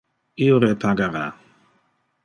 Io repagara.